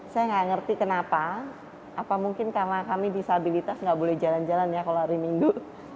saya nggak ngerti kenapa apa mungkin karena kami disabilitas nggak boleh jalan jalan ya kalau hari minggu